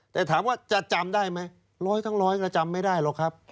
แต่ถามว่าจะจำได้ไหมร้อยทั้งร้อยก็จำไม่ได้หรอกครับ